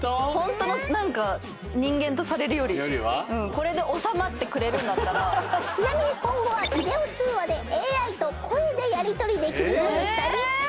これでおさまってくれるんだったらちなみに今後はビデオ通話でＡＩと声でやりとりできるようにしたりえ！